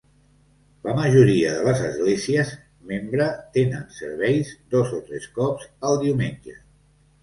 La majoria de les esglésies membre tenen serveis dos o tres cops el diumenge.